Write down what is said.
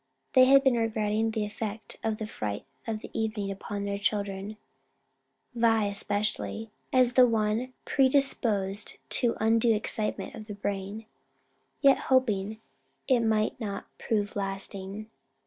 They had been regretting the effect of the fright of the evening upon their children Vi especially as the one predisposed to undue excitement of the brain yet hoping it might not prove lasting.